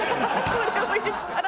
それを言ったら。